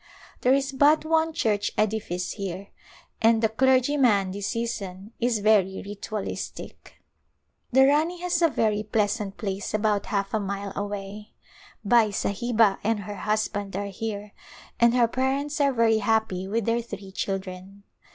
There is but one church edifice here and the clergy man this season is very ritualistic. The Rani has a very pleasant place about half a mile away. Bai Sahiba and her husband are here and her parents are very happy with their three children.